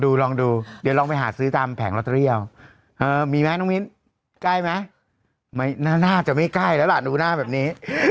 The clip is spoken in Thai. ลองดูเดี๋ยวลองไปหาซื้อตามแผงลอตเตอรี่มีไหมน้องมิ้นใกล้ไหมไม่น่าจะไม่ใกล้แล้วล่ะดูหน้าแบบนี้